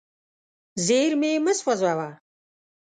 زیرمې مه سوځوه.